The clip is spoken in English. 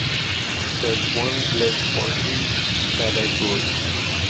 There is one list for each category.